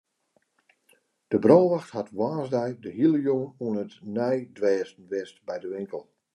De brânwacht hat woansdei de hiele jûn oan it neidwêsten west by de winkel.